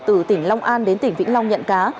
từ tỉnh long an đến tỉnh vĩnh long nhận cá